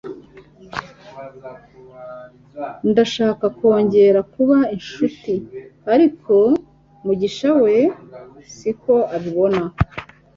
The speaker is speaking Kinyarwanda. Ndashaka kongera kuba inshuti, ariko Mugisha we siko abibona